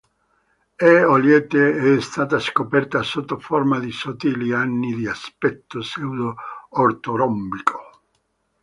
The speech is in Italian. L'hoelite è stata scoperta sotto forma di sottili aghi di aspetto pseudo-ortorombico.